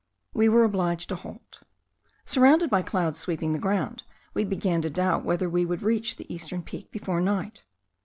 We were obliged to halt. Surrounded by clouds sweeping the ground, we began to doubt whether we should reach the eastern peak before night.